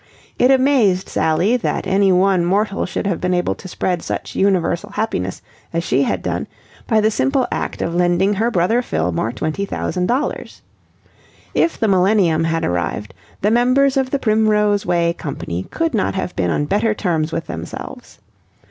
It amazed Sally that any one mortal should have been able to spread such universal happiness as she had done by the simple act of lending her brother Fillmore twenty thousand dollars. If the Millennium had arrived, the members of the Primrose Way Company could not have been on better terms with themselves.